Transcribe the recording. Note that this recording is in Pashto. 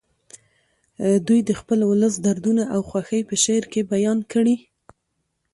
دوی د خپل ولس دردونه او خوښۍ په شعر کې بیان کړي